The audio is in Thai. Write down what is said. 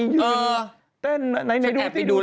อยู่ต้นไหนดูดู